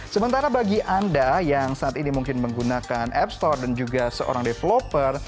sementara bagi anda yang saat ini mungkin menggunakan app store dan juga seorang developer